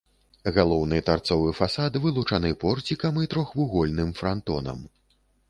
Галоўны тарцовы фасад вылучаны порцікам і трохвугольным франтонам.